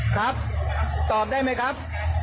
ครับตอบได้ไหมครับ